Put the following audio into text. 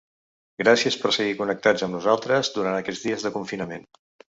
Gràcies per seguir connectats amb nosaltres durant aquests dies de confinament.